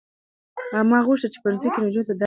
ما غوښتل چې په ښوونځي کې نجونو ته درس ورکړم.